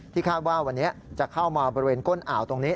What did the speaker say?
คาดว่าวันนี้จะเข้ามาบริเวณก้นอ่าวตรงนี้